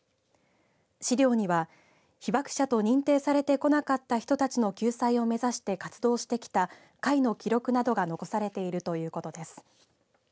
資料には被爆者と認定されてこなかった人たちの救済を目指して活動してきた会の記録などが残されているということです。